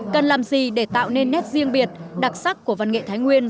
cần làm gì để tạo nên nét riêng biệt đặc sắc của văn nghệ thái nguyên